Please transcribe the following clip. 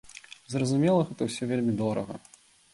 Зразумела, гэта ўсё вельмі дорага.